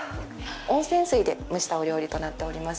温泉水で蒸したお料理となっております。